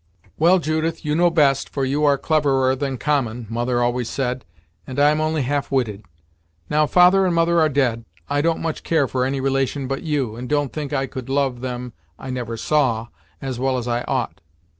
"Well, Judith, you know best, for you are cleverer than common, mother always said, and I am only half witted. Now father and mother are dead, I don't much care for any relation but you, and don't think I could love them I never saw, as well as I ought.